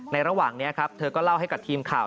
ระหว่างนี้ครับเธอก็เล่าให้กับทีมข่าว